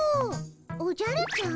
おじゃるちゃん？